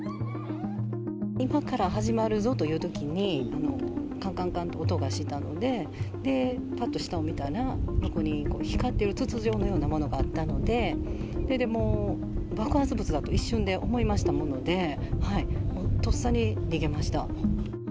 今から始まるぞというときに、かんかんかんと音がしたので、ぱっと下を見たら、ここに光ってる筒状のものがあったので、それでもう、爆発物だと一瞬で思いましたもので、とっさに逃げました。